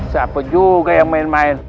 siapa juga yang main main